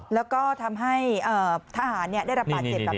แล้วก็ทำให้ทหารได้รับบาดเจ็บแบบนี้